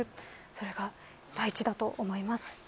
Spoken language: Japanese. それが大事だと思います。